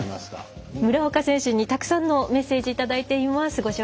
村岡選手にたくさんのメッセージをいただいています。